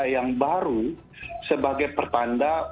yang baru sebagai pertanda